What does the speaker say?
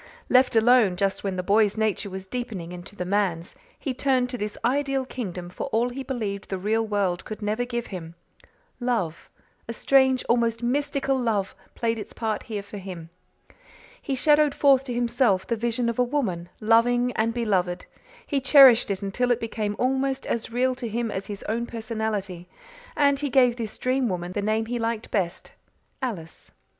Left alone, just when the boy's nature was deepening into the man's, he turned to this ideal kingdom for all he believed the real world could never give him. Love a strange, almost mystical love played its part here for him. He shadowed forth to himself the vision of a woman, loving and beloved; he cherished it until it became almost as real to him as his own personality and he gave this dream woman the name he liked best Alice.